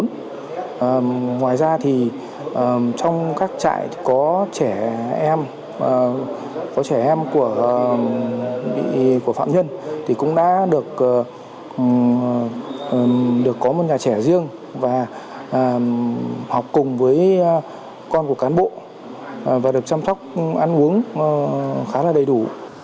ngoài ra trong các trại có trẻ em của phạm nhân cũng đã được có một nhà trẻ riêng và học cùng với con của cán bộ và được chăm sóc ăn uống khá là đầy đủ